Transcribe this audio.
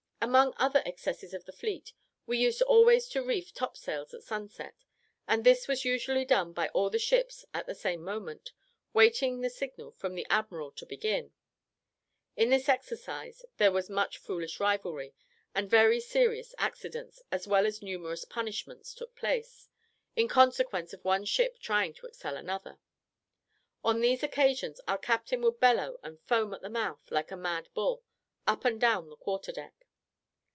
Among other exercises of the fleet, we used always to reef topsails at sunset, and this was usually done by all the ships at the same moment, waiting the signal from the admiral to begin; in this exercise there was much foolish rivalry, and very serious accidents, as well as numerous punishments, took place, in consequence of one ship trying to excel another. On these occasions our captain would bellow and foam at the mouth like a mad bull, up and down the quarter deck.